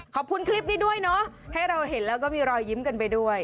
ขอบคุณคลิปนี้ด้วยเนอะให้เราเห็นแล้วก็มีรอยยิ้มกันไปด้วย